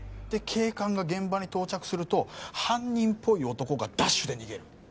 で警官が現場に到着すると犯人っぽい男がダッシュで逃げる